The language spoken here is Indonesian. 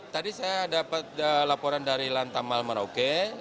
tadi saya dapat laporan dari lantamal merauke